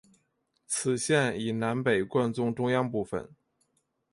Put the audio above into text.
此线以南北纵贯中央部分。